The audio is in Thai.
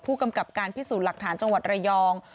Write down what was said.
ผู้กำกับการพิสูจน์หลักฐานจังหวัดระยอง